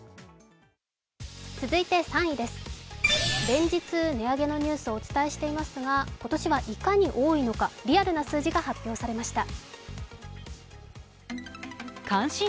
連日値上げのニュースをお伝えしていますが、今年はいかに多いのか、リアルな数字が発表されました。